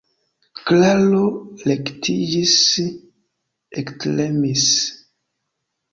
Klaro rektiĝis, ektremis.